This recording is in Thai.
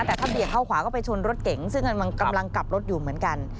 แต่ถ้าเบี่ยงเข้าขวาก็ไปชนรถเก๋งซึ่งกำลังกลับรถอยู่เหมือนกัน